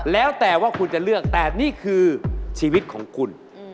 แล้วแต่ว่าคุณจะเลือกแต่นี่คือชีวิตของคุณ